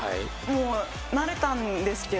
もう慣れたんですけど。